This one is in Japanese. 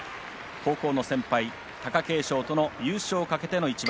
高校の先輩、貴景勝との優勝を懸けての一番。